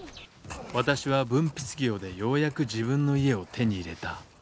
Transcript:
私は文筆業でようやく自分の家を手に入れた。